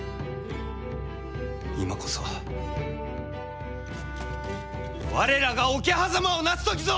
今こそ我らが桶狭間をなす時ぞ！